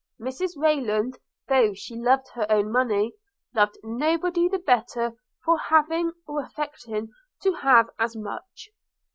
Mrs Rayland, though she loved her own money, loved nobody the better for having or affecting to have as much.